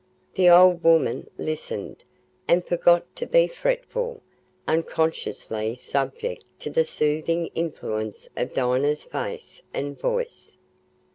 The old woman listened, and forgot to be fretful, unconsciously subject to the soothing influence of Dinah's face and voice.